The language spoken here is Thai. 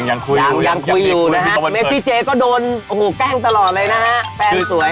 ยังคุยอยู่นะฮะเมซิเจย์ก็โดนโอ้โหแกล้งตลอดเลยนะฮะแฟนสวย